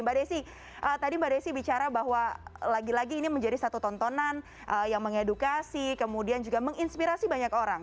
mbak desi tadi mbak desi bicara bahwa lagi lagi ini menjadi satu tontonan yang mengedukasi kemudian juga menginspirasi banyak orang